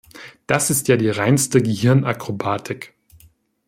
Das ist ja die reinste Gehirnakrobatik.